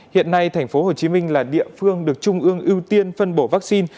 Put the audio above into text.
hiện nay tp hcm là địa phương được trung ương ưu tiên phân bổ vaccine